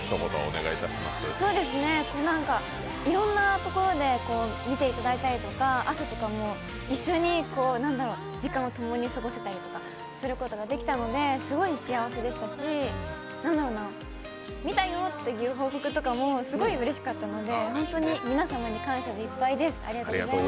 いろんな所で見ていただいたりとか朝とかも一緒に時間をともに過ごせたりすることができたのですごい幸せでしたし、何だろうな、見たよという報告とかもすごいうれしかったので、本当に皆様に感謝でいっぱいです。